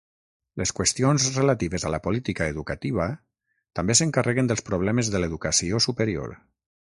Les qüestions relatives a la política educativa també s'encarreguen dels problemes de l'educació superior.